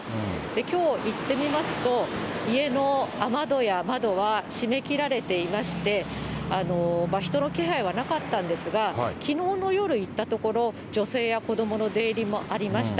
きょう行ってみますと、家の雨戸や窓は閉め切られていまして、人の気配はなかったんですが、きのうの夜、行ったところ、女性や子どもの出入りもありました。